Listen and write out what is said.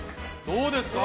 どうですか？